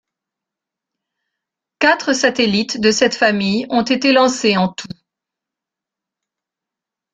Quatre satellites de cette famille ont été lancés en tout.